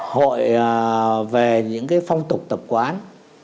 hội về những phong tục tập quán